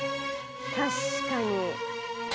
確かに。